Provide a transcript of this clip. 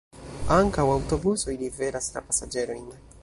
Ankaŭ aŭtobusoj liveras la pasaĝerojn.